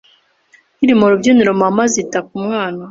Nkiri ku rubyiniro, mama azita ku mwana.